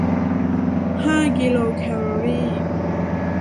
ห้ากิโลแคลอรี